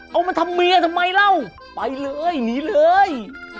เอามาทำเมียทำไมเล่าไปเลยหนีเลย